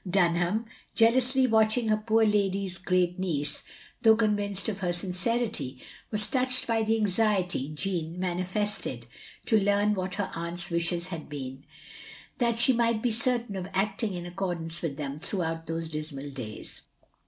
Dunham, jealously watching her poor lady's great niece, though convinced of her sincerity, was touched by the anxiety Jeanne manifested to leam what her atint's wishes had been, that she might be certain of acting in accordance with them throughout those dismal days.